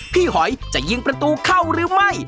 หอยจะยิงประตูเข้าหรือไม่